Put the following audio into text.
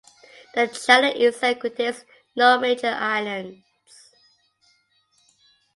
The channel itself contains no major islands.